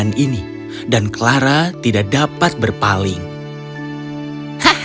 paruh beo dan kepala lebih besar dari badannya tapi ada sesuatu yang beda dari mainan ini